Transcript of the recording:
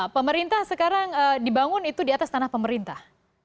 pemerintah sekarang dibangun itu di atas tanah pemerintah